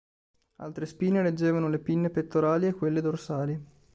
Altre spine reggevano le pinne pettorali e quelle dorsali.